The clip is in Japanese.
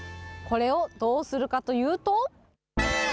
これをどうするかというと。